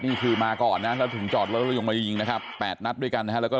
นี่คือมาก่อนนะแล้วถึงจอดรถแล้วลงมายิงนะครับ๘นัดด้วยกันนะฮะแล้วก็